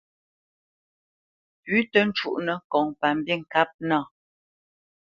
Pʉ̌ tǝ́ cúnǝ́ ŋkɔŋ pa mbîŋkâp nâ.